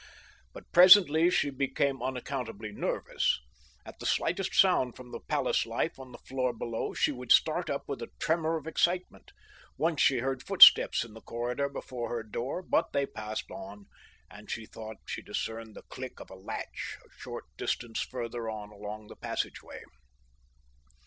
But presently she became unaccountably nervous. At the slightest sound from the palace life on the floor below she would start up with a tremor of excitement. Once she heard footsteps in the corridor before her door, but they passed on, and she thought she discerned the click of a latch a short distance further on along the passageway.